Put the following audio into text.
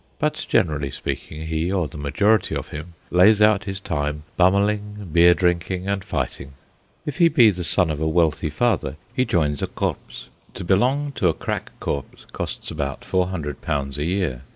But generally speaking he, or the majority of him, lays out his time bummeling, beer drinking, and fighting. If he be the son of a wealthy father he joins a Korps to belong to a crack Korps costs about four hundred pounds a year.